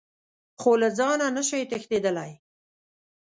خو له ځانه نه شئ تښتېدلی .